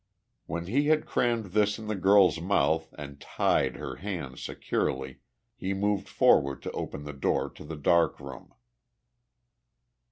When he had crammed this in the girl's mouth and tied her hands securely, he moved forward to open the door to the dark room.